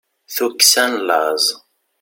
tukksa n laẓ